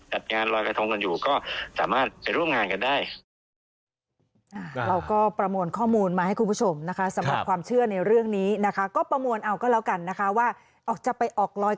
จัดงานลอยกระทงกันอยู่ก็สามารถไปร่วมงานกันได้